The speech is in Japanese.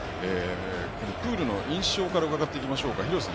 プールの印象から伺いましょうか。